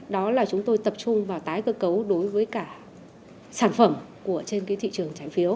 đó là chúng tôi tập trung vào tái cơ cấu đối với cả sản phẩm trên thị trường trái phiếu